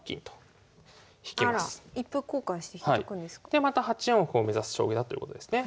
でまた８四歩を目指す将棋だということですね。